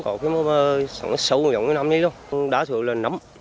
có sâu giống như nắm này luôn đá sữa là nắm